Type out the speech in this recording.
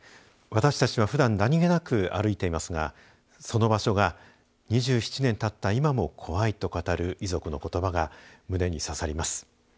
私たちはふだん何気なく歩いていますがその場所が「２７年たった今も怖い」と語る遺族のことばが胸に刺さります。